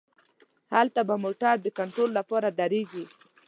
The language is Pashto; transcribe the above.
هلته به موټر د کنترول له پاره دریږي.